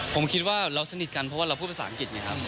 ผมคิดว่าเราสนิทกันเพราะว่าเราพูดภาษาอังกฤษไงครับ